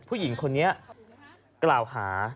ผู้หญิงคนนี้กล่าวหา